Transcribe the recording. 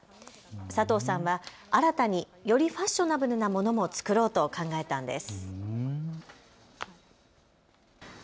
佐藤さんは新たによりファッショナブルなものも作ろうと考えたんです。